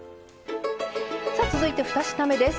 続いて２品目です。